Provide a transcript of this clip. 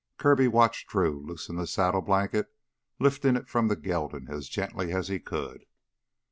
Kirby watched Drew loosen the saddle blanket, lifting it from the gelding as gently as he could.